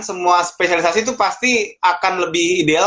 semua spesialisasi itu pasti akan lebih ideal